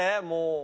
もう。